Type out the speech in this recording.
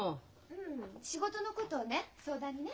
仕事のことをね相談にね。